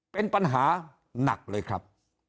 เป็นปัญหาหนักเลยครับ